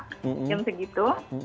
paling belum segitu